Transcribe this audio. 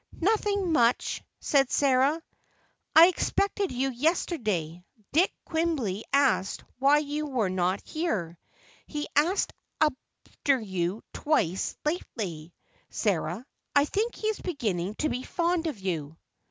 "Nothing much," said Sarah. "I expected you yesterday; Dick Quimby asked why you were not here. He's asked after you twice lately, Sarah. I think he's beginning to be fond of you."